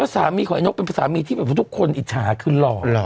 สามีของไอ้นกเป็นสามีที่แบบว่าทุกคนอิจฉาคือหล่อ